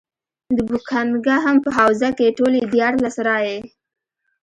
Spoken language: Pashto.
د بوکنګهم په حوزه کې ټولې دیارلس رایې.